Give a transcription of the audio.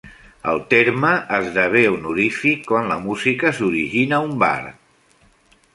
El terme esdevé honorific quan la música s'origina a un bar.